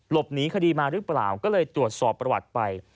หนีคดีมาหรือเปล่าก็เลยตรวจสอบประวัติไป